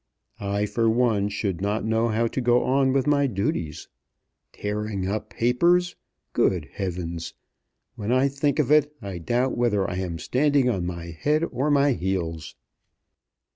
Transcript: I for one should not know how to go on with my duties. Tearing up papers! Good Heavens! When I think of it I doubt whether I am standing on my head or my heels."